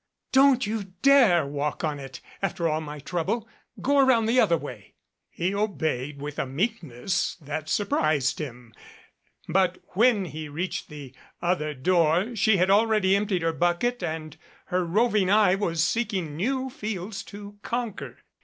"Don't you dare walk on it after all my trouble. Go around the other way." He obeyed with a meekness that surprised him, but when he reached the other door she had already emptied her bucket and her roving eye was seeking new fields to conquer.